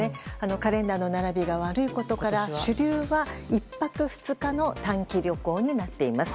カレンダーの並びが悪いことから主流は１泊２日の短期旅行になっています。